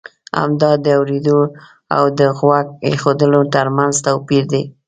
همدا د اورېدو او د غوږ اېښودنې ترمنځ توپی ر دی.